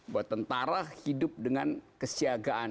buat tentara hidup dengan kesiagaan